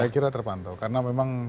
saya kira terpantau karena memang